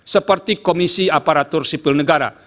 seperti komisi aparatur sipil negara